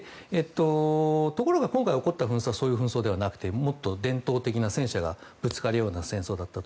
ところが今回、起こった紛争はそういうものではなくてもっと伝統的な、戦車がぶつかるような戦争だったと。